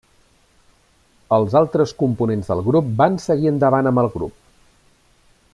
Els altres components del grup van seguir endavant amb el grup.